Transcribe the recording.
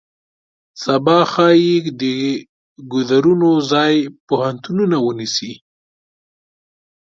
سبا ښایي د ګودرونو ځای پوهنتونونه ونیسي.